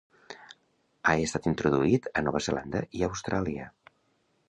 Ha estat introduït a Nova Zelanda i Austràlia.